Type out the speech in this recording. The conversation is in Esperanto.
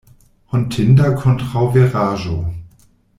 Hontinda kontraŭveraĵo!